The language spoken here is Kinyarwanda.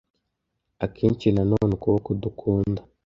akenshi nanone ukuboko dukunda